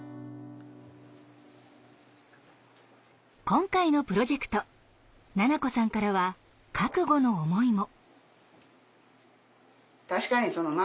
今回のプロジェクト奈々子さんからは覚悟の思いも。